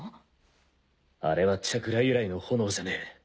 あれはチャクラ由来の炎じゃねえ。